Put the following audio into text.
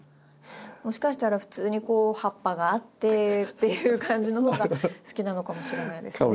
もしかしたら普通に葉っぱがあってっていう感じの方が好きなのかもしれないですね。